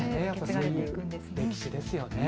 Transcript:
歴史ですよね。